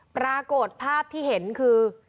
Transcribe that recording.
ปรากฏภาพที่เห็นคือ